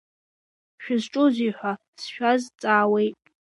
Шәызҿузеи ҳәа сшәаз-ҵаауеит!